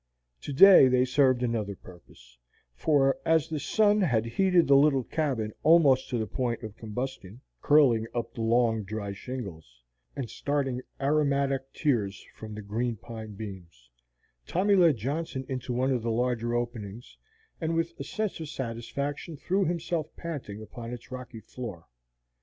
To day they served another purpose, for as the sun had heated the little cabin almost to the point of combustion, curling up the long dry shingles, and starting aromatic tears from the green pine beams, Tommy led Johnson into one of the larger openings, and with a sense of satisfaction threw himself panting upon its rocky floor.